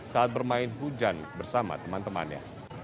saat bermain hujan bersama teman temannya